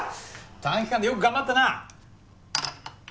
短期間でよく頑張ったな。